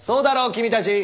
君たち。